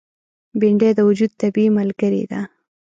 بېنډۍ د وجود طبیعي ملګره ده